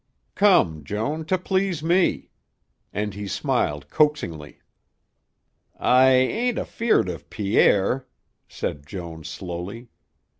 Come, Joan, to please me," and he smiled coaxingly. "I ain't afeared of Pierre," said Joan slowly.